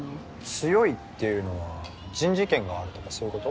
強いっていうのは人事権があるとかそういうこと？